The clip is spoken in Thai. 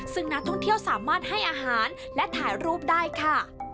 ซึ่งนักท่องเที่ยวสามารถให้อาหารและถ่ายรูปได้ค่ะ